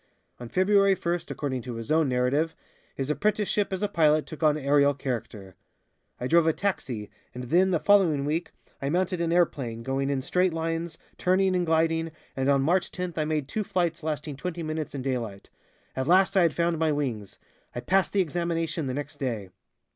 On February first, according to his own narrative, his apprenticeship as a pilot took on aerial character. "I drove a 'taxi,' and then the following week I mounted an airplane, going in straight lines, turning and gliding, and on March tenth I made two flights lasting twenty minutes in daylight. At last I had found my wings. I passed the examination the next day."